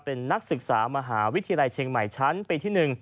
เป็นนักศึกษามหาวิทยาลัยเชียงใหม่ชั้นปีที่๑